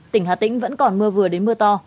tỉnh hà tĩnh vẫn còn mưa vừa đến mưa to